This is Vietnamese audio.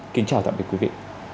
kính chào tạm biệt quý vị